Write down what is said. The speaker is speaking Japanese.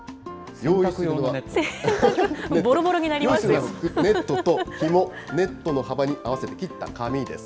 用意するのはネットとひも、ネットの幅に合わせて切った紙です。